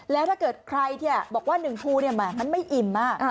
แล้วถ้าเกิดใครบอกว่าหนึ่งภูร์นั้นไม่อิ่ม